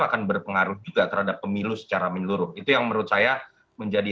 akan berpengaruh juga terhadap pemilu secara menyeluruh itu yang menurut saya menjadi